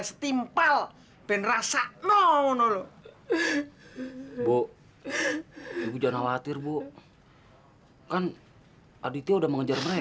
sampai jumpa di video selanjutnya